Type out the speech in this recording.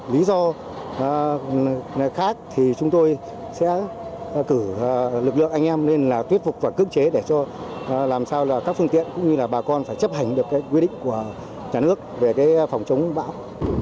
lý do khác thì chúng tôi sẽ cử lực lượng anh em lên là tuyết phục và cưỡng chế để cho làm sao là các phương tiện cũng như là bà con phải chấp hành được quy định của nhà nước về phòng chống bão